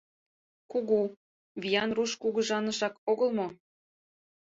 Кугу, виян Руш кугыжанышак огыл мо?